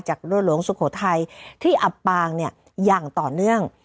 จากเรือหลวงสุขโทย์ไทยที่อับปางเนี่ยอย่างต่อเนื่อง